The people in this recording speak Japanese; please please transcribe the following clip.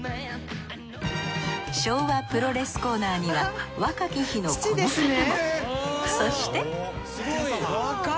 昭和プロレスコーナーには若き日のこの方も。